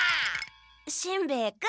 しんべヱ君。